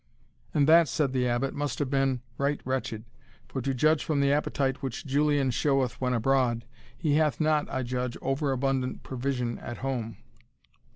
"And that," said the Abbot, "must have been right wretched; for to judge from the appetite which Julian showeth when abroad, he hath not, I judge, over abundant provision at home."